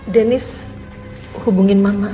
deniz hubungin mama